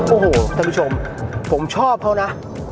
โอ้โหท่านผู้ชมผมชอบเขานะ